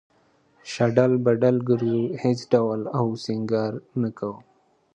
شډل بډل گرځو هېڅ ډول او سينگار نۀ کوو